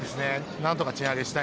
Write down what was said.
なんとか賃上げしたい。